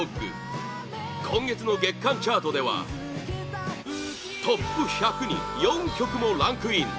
今月の月間チャートではトップ１００に４曲もランクイン